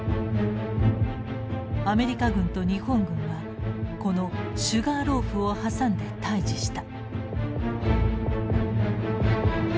アメリカ軍と日本軍はこのシュガーローフを挟んで対峙した。